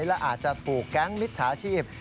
และอาจจะถูกแก๊งมิจฉาชีพ